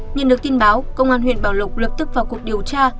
nhận được tin báo công an huyện bảo lộc lập tức vào cuộc điều tra